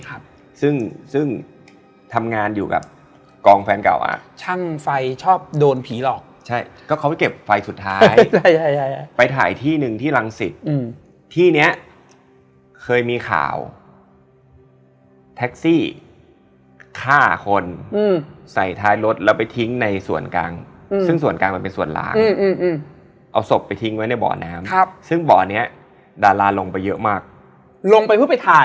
รู้สึกเลยว่าจับข้อมือแล้วแบบขอยาหน่อยจับอย่างงี้เลยจับอย่างงี้